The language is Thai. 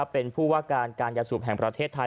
เป็นผู้ว่าการการยาสูบแห่งประเทศไทย